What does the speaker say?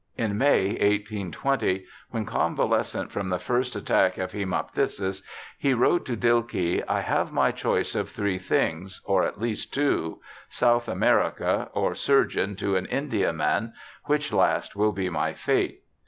In May, 1820, when convalescent from the first attack of haemoptysis, he wrote to Dilke, ' I have my choice of three things — or at least two — South America or surgeon to an India man, which last will be my fate.'